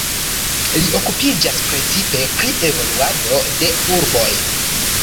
Li okupiĝas precipe pri evoluado de urboj.